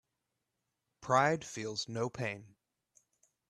Pride feels no pain.